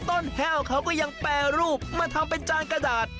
แห้วเขาก็ยังแปรรูปมาทำเป็นจานกระดาษ